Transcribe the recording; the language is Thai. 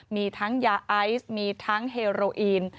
มีทั้งยาไอซ์มีทั้งเฮโรอีน